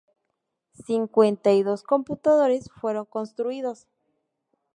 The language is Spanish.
Cincuenta y dos computadores fueron construidos.